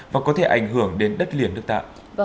và có thể ảnh hưởng đến đất liền đức tạng